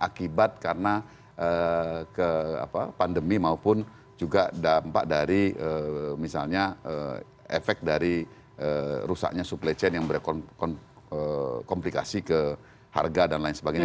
akibat karena pandemi maupun juga dampak dari misalnya efek dari rusaknya supply chain yang berkomplikasi ke harga dan lain sebagainya